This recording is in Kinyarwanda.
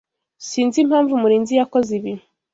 Sinzi impamvu Murinzi yakoze ibi.